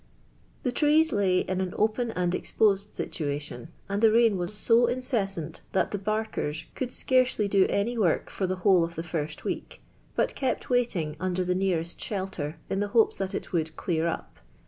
The trees lay in an open :in>l exp>i«ed situation, and the rain was so ii:cc«.suit that the " barkers ' could scarcely do any work f'<r the wh«»le of the fir<t week, but kept wiiitiiij miihr tin* nfan st »hi'lter in tin hopes that it v.diiM *' dear uj)."'